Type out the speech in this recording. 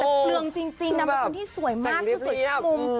แต่เปลืองจริงนำมาคนที่สวยมาก